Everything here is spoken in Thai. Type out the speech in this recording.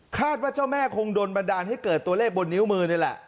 เจ้าแม่คงโดนบันดาลให้เกิดตัวเลขบนนิ้วมือนี่แหละ